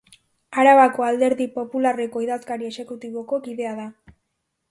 Arabako Alderdi Popularreko idazkari exekutiboko kidea da.